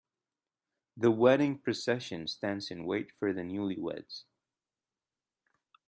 The wedding procession stands in wait for the newlyweds.